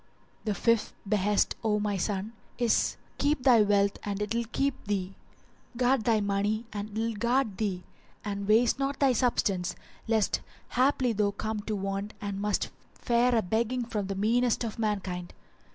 The FIFTH BEHEST, O my son, is Keep thy wealth and it will keep thee; guard thy money and it will guard thee; and waste not thy substance lest haply thou come to want and must fare a begging from the meanest of mankind.